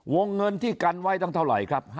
วงเงินที่กันไว้ตั้งเท่าไหร่ครับ